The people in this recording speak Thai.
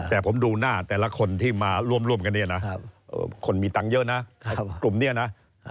แต่ผมดูหน้าแต่ละคนที่มาร่วมกันเนี่ยนะคนมีตังค์เยอะนะกลุ่มนี้นะ